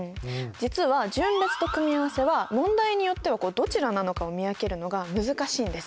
実は順列と組み合わせは問題によってはどちらなのかを見分けるのが難しいんです。